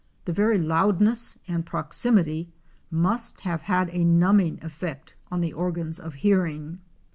The very loudness and proximity must have had a numbing effect on the organs of hearing.